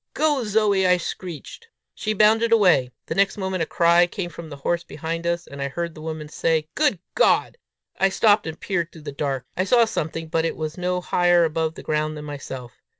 "Go, Zoe!" I shrieked. She bounded away. The next moment, a cry came from the horse behind us, and I heard the woman say "Good God!" I stopped, and peered through the dark. I saw something, but it was no higher above the ground than myself.